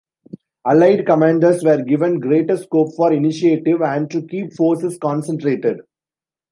Allied commanders were given greater scope for initiative and to keep forces concentrated.